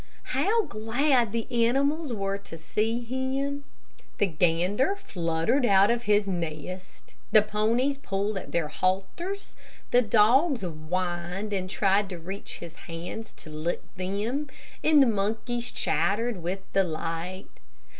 How glad the animals were to see him! The gander fluttered out of his nest, the ponies pulled at their halters, the dogs whined and tried to reach his hands to lick them, and the monkeys chattered with delight.